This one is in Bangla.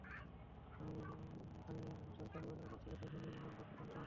স্থানীয় সরকার নির্বাচনের প্রার্থী বাছাইয়ের কেন্দ্রীয় মনোনয়ন বোর্ড চূড়ান্ত মনোনয়ন দেবে।